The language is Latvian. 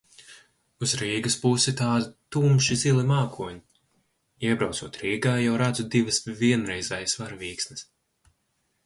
Uz Rīgas pusi tādi tumši zili mākoņi. Iebraucot Rīgā, jau redzu divas vienreizējas varavīksnes.